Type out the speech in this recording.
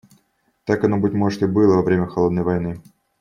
Так оно, быть может, и было во время "холодной войны".